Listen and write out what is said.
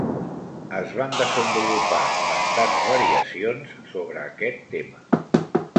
Es van desenvolupar bastants variacions sobre aquest tema.